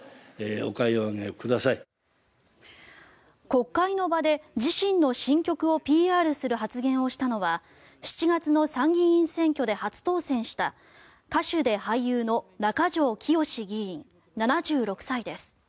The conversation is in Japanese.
国会の場で自身の新曲をＰＲする発言をしたのは７月の参議院選挙で初当選した歌手で俳優の中条きよし議員、７６歳です。